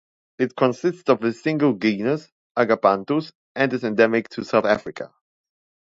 It consists of a single genus, "Agapanthus", and is endemic to South Africa.